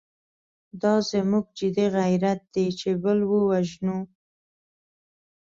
دا زموږ جدي غیرت دی چې بل ووژنو.